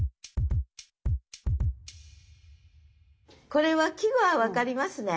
これは季語は分かりますね？